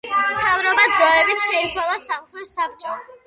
მთავრობა დროებით შეცვალა სამხედრო საბჭომ.